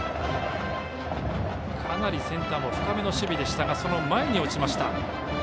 かなりセンターも深めの守備でしたがその前に落ちました。